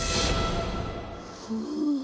ふう。